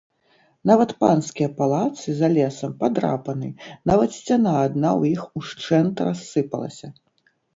Нават панскія палацы за лесам падрапаны, нават сцяна адна ў іх ушчэнт рассыпалася.